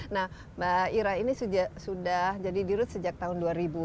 nah mbak ira ini sudah jadi di rut sejak tahun dua ribu tujuh belas